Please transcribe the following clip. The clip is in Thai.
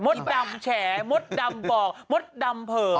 ดำแฉมดดำบอกมดดำเผลอ